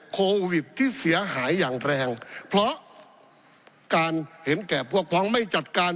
โควิดที่เสียหายอย่างแรงเพราะการเห็นแก่พวกพ้องไม่จัดการ